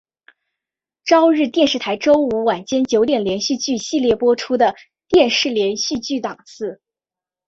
朝日电视台周五晚间九点连续剧系列播出的电视连续剧档次。